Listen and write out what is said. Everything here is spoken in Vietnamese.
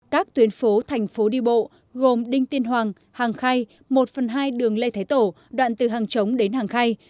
các tuyến phố thành phố đi bộ gồm đinh tiên hoàng hàng khai một phần hai đường lê thái tổ đoạn từ hàng chống đến hàng khai